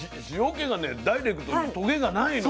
気がねダイレクトにトゲがないの。